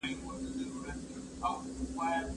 معلم وویل بزګر ته چي دا ولي